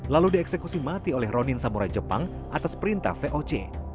lalu dieksekusi mati oleh ronin samurai jepang atas perintah voc